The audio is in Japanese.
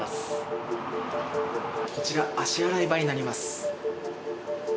こちら足洗い場になります。